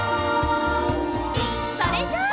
それじゃあ。